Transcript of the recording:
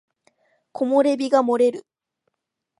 木漏れ日が漏れる